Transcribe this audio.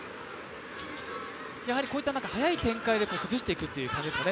こういった速い展開で崩していくという感じですかね。